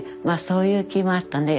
そういう気もあったね